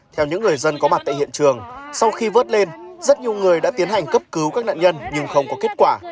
theo những người dân có mặt tại hiện trường sau khi vớt lên rất nhiều người đã tiến hành cấp cứu các nạn nhân nhưng không có kết quả